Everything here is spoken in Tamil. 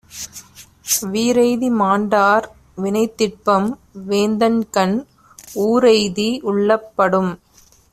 வீறெய்தி மாண்டார் வினைத்திட்பம், வேந்தன்கண் ஊறெய்தி உள்ளப்படும்.